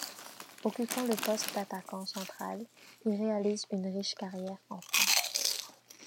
Occupant le poste d'attaquant central, il réalise une riche carrière en France.